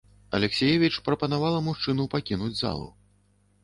Алексіевіч прапанавала мужчыну пакінуць залу.